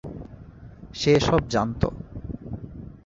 সে এসব জানত।